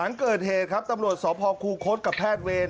อย่างเกิดเหตุครับตำรวจสอบภาคครูโค้ดกับแพทย์เวร